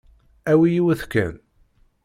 Awi yiwet kan.